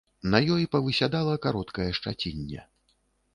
На ёй павысядала кароткае шчацінне.